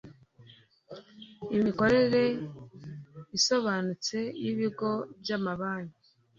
imikorre isobanutse y ibigo by amabanki